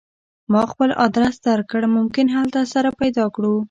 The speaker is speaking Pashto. ما خپل ادرس درکړ ممکن هلته سره پیدا کړو